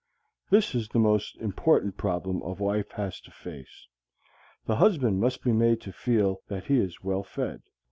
_ This is the most important problem a wife has to face. The husband must be made to feel that he is well fed.